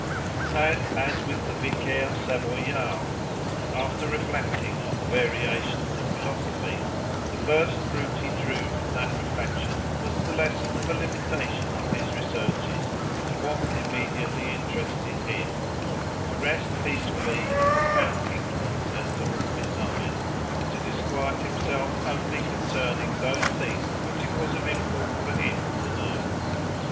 And as with the Vicaire Savoyard, after reflecting on the variations of philosophy, "the first fruit he drew from that reflection was the lesson of a limitation of his researches to what immediately interested him; to rest peacefully in a profound ignorance as to all beside; to disquiet himself only concerning those things which it was of import for him to know."